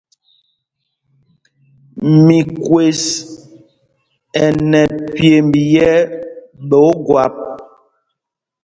Mikwes ɛ nɛ pyěmb yɛ̄ ɓɛ̌ ógwâp.